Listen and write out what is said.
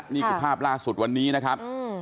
นี่คือภาพล่าสุดวันนี้นะครับ